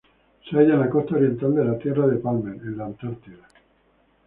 Se halla en la costa oriental de la Tierra de Palmer en la Antártida.